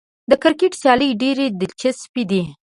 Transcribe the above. د کرکټ سیالۍ ډېرې دلچسپې دي.